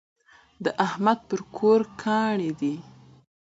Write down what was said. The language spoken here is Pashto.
د احمد پر کور کاڼی دی.